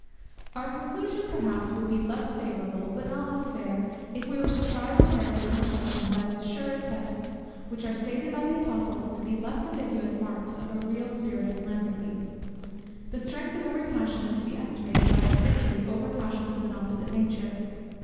Our conclusion, perhaps, would be less favourable, but not less fair, if we were to try the characters in question by those surer tests, which are stated by the Apostle to be less ambiguous marks of a real spirit of philanthropy. The strength of every passion is to be estimated by its victory over passions of an opposite nature.